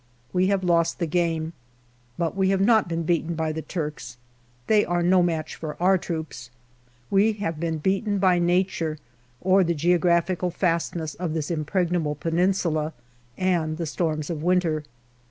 We have lost the game, but we have not been beaten by the Turks. They are no match for our troops. We have been beaten by Nature, or the geographical fastnesses of this impregnable Peninsula and the storms of winter.